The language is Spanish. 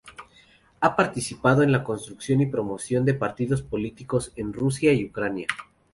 Ha participado en la construcción y promoción de partidos políticos en Rusia y Ucrania.